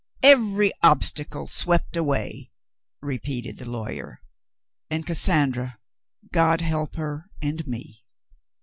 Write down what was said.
"Every obstacle swept away," repeated the lawyer. "And Cassandra, God help her and me."